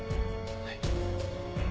はい。